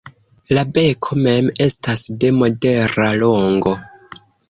La beko mem estas de modera longo.